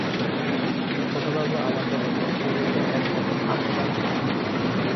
ছোটবাবু আমাদের বলতে গেলে একরকম আপনার লোক।